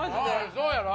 そうやろ。